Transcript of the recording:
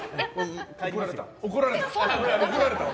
怒られた。